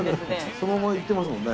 そのまま行ってますもんね。